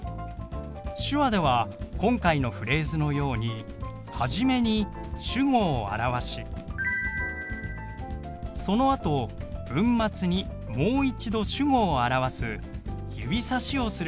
手話では今回のフレーズのように始めに主語を表しそのあと文末にもう一度主語を表す指さしをすることがよくあります。